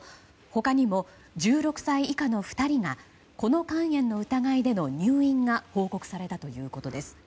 他にも１６歳以下の２人がこの肝炎の疑いでの入院が報告されたということです。